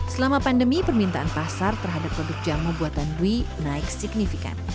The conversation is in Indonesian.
selama pandemi permintaan pasar terhadap produk jamu buatan dwi naik signifikan